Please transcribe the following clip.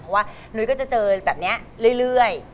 เพราะว่านุ้ยก็จะเจอแบบนี้เรื่อย